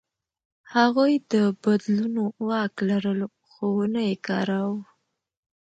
هغوی د بدلونو واک لرلو، خو ونه یې کاراوه.